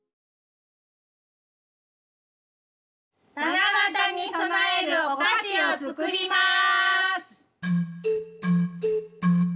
七夕に供えるお菓子を作ります。